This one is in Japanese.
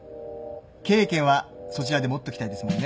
経営権はそちらで持っときたいですもんね。